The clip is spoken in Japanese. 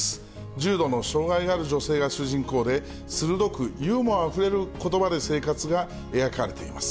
重度の障がいがある女性が主人公で、鋭くユーモアあふれることばで生活が描かれています。